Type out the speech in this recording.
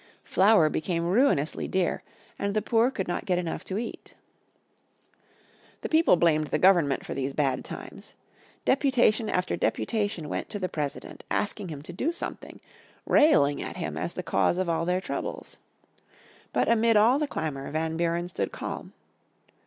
Flour became ruinously dear, and the poor could not get enough to eat. The people blamed the Government for these bad times. Deputation after deputation went to the President asking him to do something, railing at him as the cause of all their troubles. But amid all the clamour Van Buren stood calm.